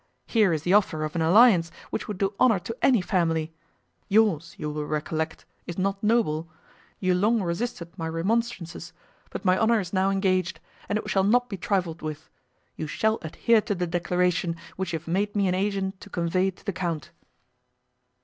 Here is the offer of an alliance, which would do honour to any family; yours, you will recollect, is not noble; you long resisted my remonstrances, but my honour is now engaged, and it shall not be trifled with.—You shall adhere to the declaration, which you have made me an agent to convey to the Count."